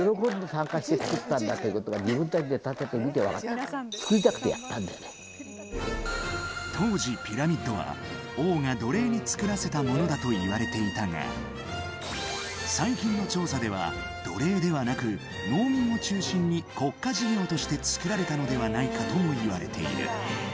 佐藤は当時、ピラミッドは王が奴隷に造らせたものだといわれていたが最近の調査では、奴隷ではなく農民を中心に国家事業として造られたのではないかともいわれている。